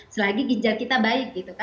selagi ginjal kita baik